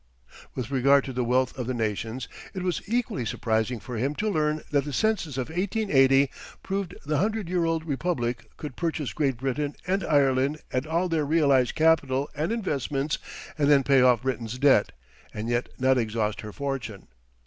] With regard to the wealth of the nations, it was equally surprising for him to learn that the census of 1880 proved the hundred year old Republic could purchase Great Britain and Ireland and all their realized capital and investments and then pay off Britain's debt, and yet not exhaust her fortune.